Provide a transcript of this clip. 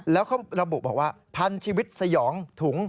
แล้วเขาระบุบอกว่าพันชีวิตสยองถุง